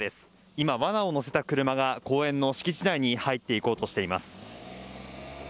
今、わなを載せた車が公園の敷地内に入っていこうとしています。